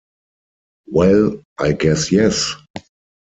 Well, I guess yes!